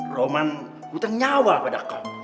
roman butang nyawa pada kau